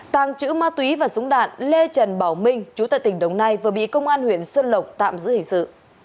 tàng trữ ma túy và súng đạn lê trần bảo minh chú tại tỉnh đồng nai vừa bị công an huyện xuân lộc tạm giữ hình sự